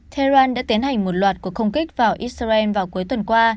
tehran đã tiến hành một loạt cuộc không kích vào israel vào cuối tuần qua